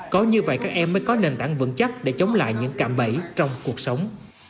có như vậy các em mới có nền tảng vững chắc để chống lại những cạm bẫy trong cuộc sống